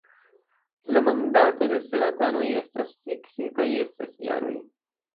La mandato de senatanoj estas fiksita je ses jaroj.